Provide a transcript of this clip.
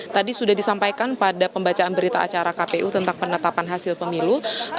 tadi sudah disampaikan pada pembacaan berita acara kpu tentang penetapan hasil pemilu